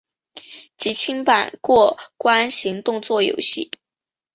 即清版过关型动作游戏。